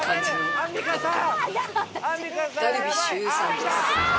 アンミカさん！